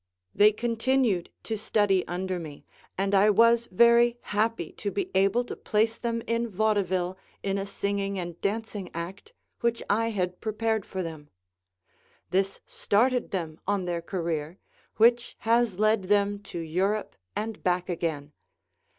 They continued to study under me, and I was very happy to be able to place them in vaudeville in a singing and dancing act, which I had prepared for them. This started them on their career, which has led them to Europe and back again.